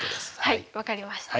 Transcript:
はいわかりました。